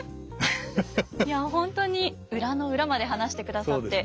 いや本当に裏の裏まで話してくださって。